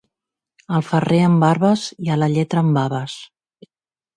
Al ferrer en barbes i a la lletra en baves.